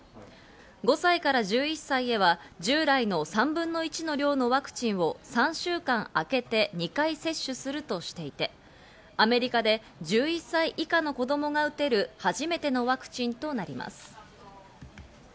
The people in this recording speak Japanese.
５歳から１１歳では従来の３分の１の量のワクチンを３週間あけて２回接種するとしていて、アメリカで１１歳以下の子供が打てる初めてのワクチンとなります。